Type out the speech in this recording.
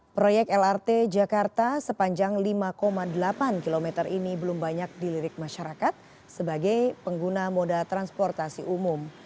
proyek lrt jakarta sepanjang lima delapan km ini belum banyak dilirik masyarakat sebagai pengguna moda transportasi umum